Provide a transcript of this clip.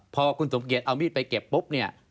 พอคุณสมเกียจเอามีดไปเก็บปุ๊บเนี่ย